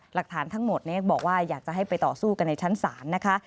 หลักฐานทั้งหมดบอกว่าอยากจะให้ไปต่อสู้กันในชั้นศาลนะคะ